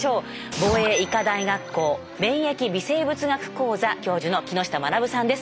防衛医科大学校免疫微生物学講座教授の木下学さんです。